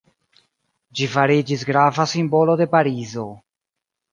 Ĝi fariĝis grava simbolo de Parizo.